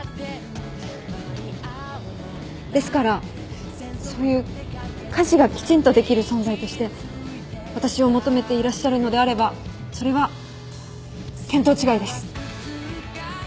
ですからそういう家事がきちんとできる存在として私を求めていらっしゃるのであればそれは見当違いです。